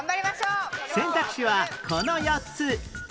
選択肢はこの４つ